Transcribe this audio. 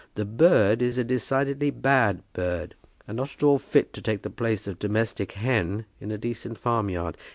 The bird is a decidedly bad bird, and not at all fit to take the place of domestic hen in a decent farmyard.